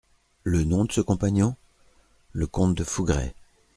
Le nom de ce compagnon ? Le comte de Fougueray.